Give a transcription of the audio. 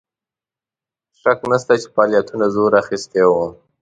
شک نسته چې فعالیتونو زور اخیستی وو.